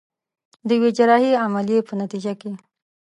د يوې جراحي عمليې په نتيجه کې.